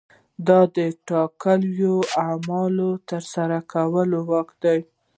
دا د ټاکلو اعمالو د ترسره کولو واک دی.